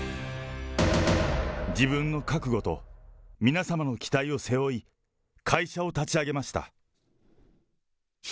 自分の覚悟と皆様の期待を背負い、会社を立ち上げました。